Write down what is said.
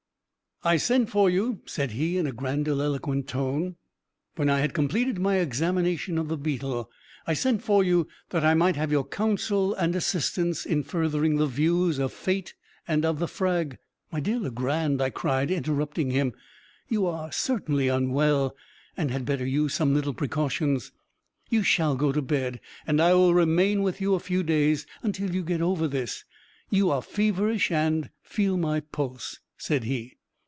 "I sent for you," said he, in a grandiloquent tone, when I had completed my examination of the beetle, "I sent for you that I might have your counsel and assistance in furthering the views of Fate and of the frag " "My dear Legrand," I cried, interrupting him, "you are certainly unwell, and had better use some little precautions. You shall go to bed, and I will remain with you a few days, until you get over this. You are feverish and " "Feel my pulse," said he.